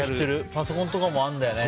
パソコンとかもあるんだよね。